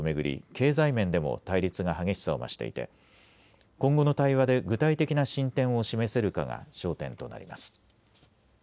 経済面でも対立が激しさを増していて、今後の対話で具体的な進展を示せるかが焦点となります。